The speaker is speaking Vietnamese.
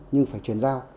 nhưng phải chuyển giao